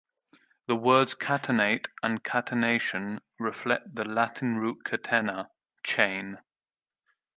The words "to catenate" and "catenation" reflect the Latin root "catena", "chain".